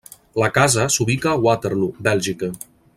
La Casa s'ubica a Waterloo, Bèlgica.